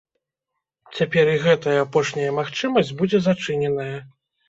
Цяпер і гэтая апошняя магчымасць будзе зачыненая.